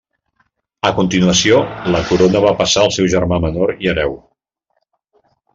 A continuació, la corona va passar al seu germà menor i hereu.